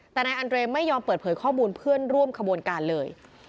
แต่นายอันเรมไม่ยอมเปิดเผยข้อมูลเพื่อนร่วมขบวนการเลย